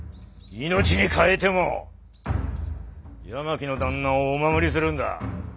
命に代えても八巻の旦那をお守りするんだ。